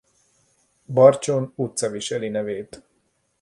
Barcson utca viseli nevét.